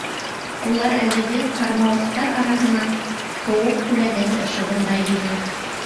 Улар әлеге ҡармауыстар араһынан ҡыуыҡ күләгәһе ышығында йөҙә.